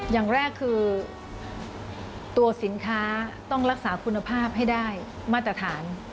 อย่างแรกคือตัวสินค้าต้องรักษาคุณภาพให้ได้มาตรฐาน